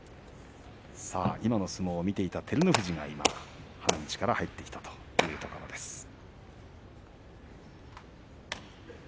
今の相撲を見ていた照ノ富士が花道から入ってきたということです。